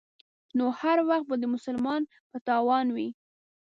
نو هر وخت به د مسلمان په تاوان وي.